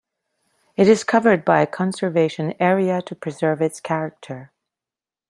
It is covered by a conservation area to preserve its character.